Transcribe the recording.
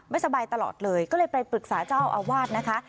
สบายตลอดเลยก็เลยไปปรึกษาเจ้าอาวาสนะคะ